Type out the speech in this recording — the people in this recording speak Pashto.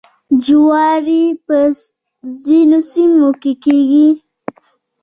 جواری په ځینو سیمو کې کیږي.